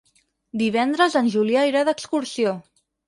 Divendres en Julià irà d'excursió.